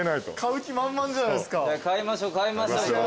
買いましょ買いましょ。